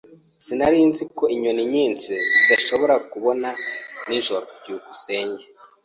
Sinari nzi ko inyoni nyinshi zidashobora kubona nijoro. byukusenge